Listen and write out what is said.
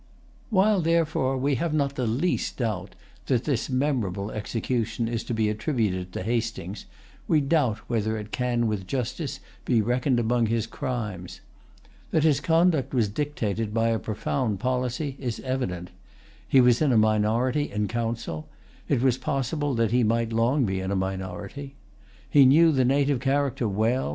While, therefore, we have not the least doubt that this[Pg 158] memorable execution is to be attributed to Hastings, we doubt whether it can with justice be reckoned among his crimes. That his conduct was dictated by a profound policy is evident. He was in a minority in Council. It was possible that he might long be in a minority. He knew the native character well.